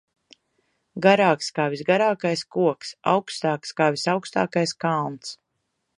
Garāks kā visgarākais koks, augstāks kā visaugstākais kalns.